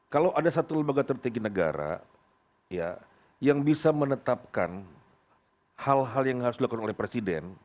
kalau ada satu lembaga tertinggi negara yang bisa menetapkan hal hal yang harus dilakukan oleh presiden